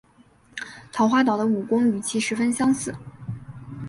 桃花岛的武功与其十分相似。